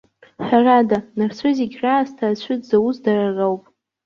Ҳәарада, нарцәы зегь раасҭа ацәыӡ зоуз дара роуп.